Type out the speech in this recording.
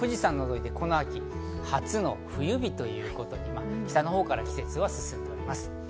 この秋、初の冬日ということで北のほうから季節が進んでいます。